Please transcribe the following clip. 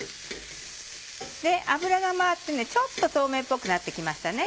油が回ってちょっと透明っぽくなって来ましたね。